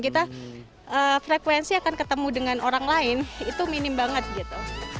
kita frekuensi akan ketemu dengan orang lain itu minim banget gitu